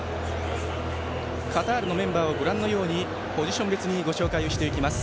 カタールのメンバーをご覧のようにポジション別にご紹介していきます。